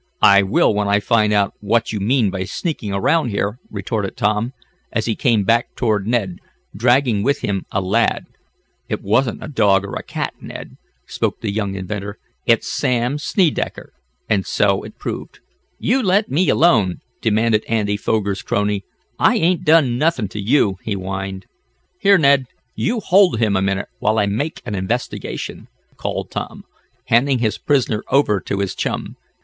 "I will when I find out what you mean by sneaking around here," retorted Tom, as he came back toward Ned, dragging with him a lad. "It wasn't a dog or a cat, Ned," spoke the young inventor. "It's Sam Snedecker," and so it proved. "You let me alone!" demanded Andy Foger's crony. "I ain't done nothin' to you," he whined. "Here, Ned, you hold him a minute, while I make an investigation," called Tom, handing his prisoner over to his chum.